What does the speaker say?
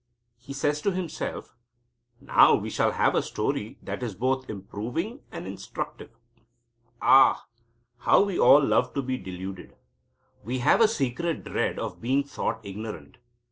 He says to himself: "Now we shall have a story that is both improving and instructive." Ah! how we all love to be deluded! We have a secret dread of being thought ignorant.